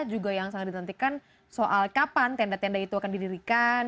juga yang sangat ditentukan soal kapan tenda tenda itu akan didirikan